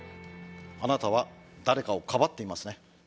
あなたは誰かをかばっていますね。